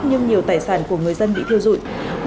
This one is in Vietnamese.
nhưng nhiều tài sản của người dân bị thiêu dụi